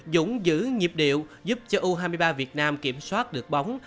dũng giữ nhịp điệu giúp cho u hai mươi ba việt nam kiểm soát được bóng